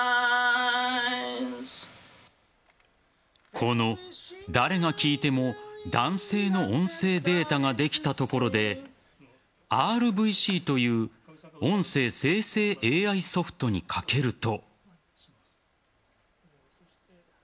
この誰が聞いても男性の音声データができたところでＲＶＣという音声生成ＡＩソフトにかけると。